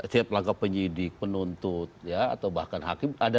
setiap langkah penyidik penuntut atau bahkan hakim ada